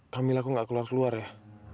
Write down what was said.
kamilah kok gak keluar keluar ya